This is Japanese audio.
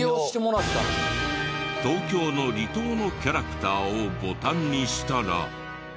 東京の離島のキャラクターをボタンにしたら。